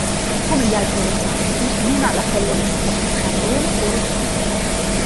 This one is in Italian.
Come gli altri elefanti, non ha la pelle grigia ma marrone o rossiccia.